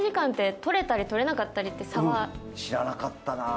知らなかったな。